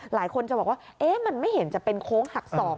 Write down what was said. หลายคนจะบอกว่ามันไม่เห็นจะเป็นโค้งหักศอก